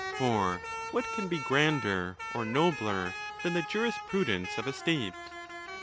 For what can be grander or nobler than the jurisprudence of a state?